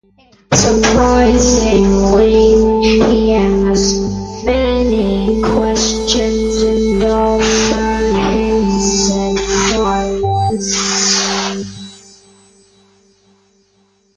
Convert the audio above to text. Surprisingly, he asked many questions and offered his advice.